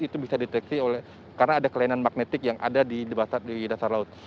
itu bisa dideteksi karena ada kelainan magnetik yang ada di dasar laut